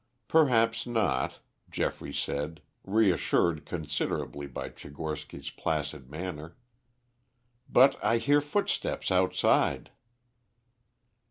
"Perhaps not," Geoffrey said, reassured considerably by Tchigorsky's placid manner; "but I hear footsteps outside."